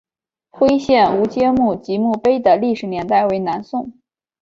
徽县吴玠墓及墓碑的历史年代为南宋。